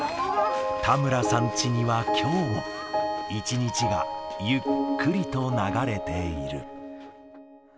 田村さんチにはきょうも一日がゆっくりと流れている。